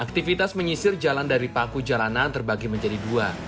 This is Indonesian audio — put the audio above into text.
aktivitas menyisir jalan dari paku jalanan terbagi menjadi dua